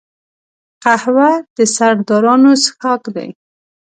قهوه د سردارانو څښاک دی